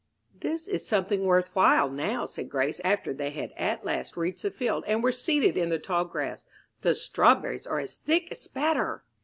"This is something worth while, now," said Grace, after they had at last reached the field, and were seated in the tall grass. "The strawberries are as thick as spatter."